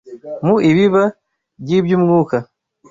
Mu ibiba ry’iby’umwuka